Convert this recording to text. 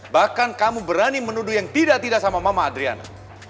bahkan kamu berani menuduh yang tidak tidak sama mama adriana